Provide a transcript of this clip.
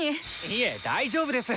いえ大丈夫です！